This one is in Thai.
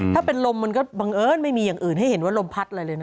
ถ้าเป็นลมมันก็บังเอิญไม่มีอย่างอื่นให้เห็นว่าลมพัดอะไรเลยนะ